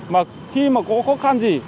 mà khi mà có khó khăn gì